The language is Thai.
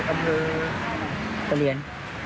ก็คือตะเลียน